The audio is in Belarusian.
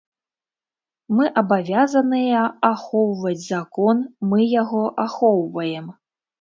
Мы абавязаныя ахоўваць закон, мы яго ахоўваем.